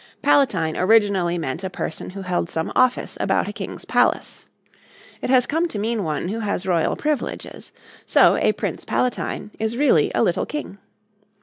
Palatine originally meant a person who held some office about a king's palace. It has come to mean one who has royal privileges. So a Prince Palatine is really a little king.